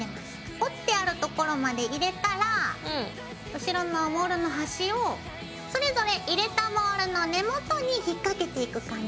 折ってある所まで入れたら後ろのモールの端をそれぞれ入れたモールの根元に引っ掛けていく感じ。